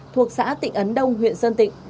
thuộc xã tịnh ấn đông huyện sơn tịnh